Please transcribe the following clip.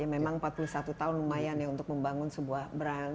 memang empat puluh satu tahun lumayan ya untuk membangun sebuah brand